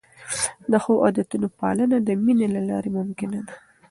د ښو عادتونو پالنه د مینې له لارې ممکنه ده.